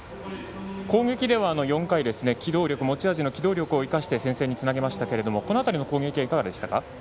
攻撃では４回で持ち味の機動力を生かして先制につなげましたがこの辺りの攻撃はいかがでしたか。